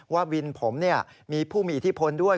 วินผมมีผู้มีอิทธิพลด้วย